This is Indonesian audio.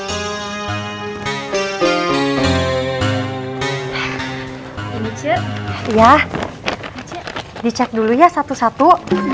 hai ini cet ya dicek dulu ya satu satu